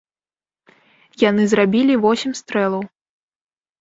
Яны зрабілі восем стрэлаў.